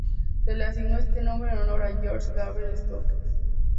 Se le asignó este nombre en honor a George Gabriel Stokes.